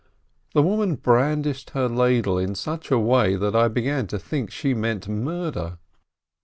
The woman brandished her ladle in such a way that I began to think she meant murder.